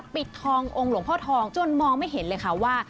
ปิดทององค์หลวงพ่อทองจนมองไม่เห็นเลยค่ะว่า